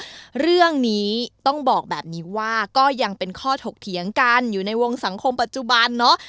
เรื่องนี้ต้องบอกแบบนี้ว่าก็ยังเป็นข้อถกเถียงกันอยู่ในวงสังคมปัจจุบันเนาะ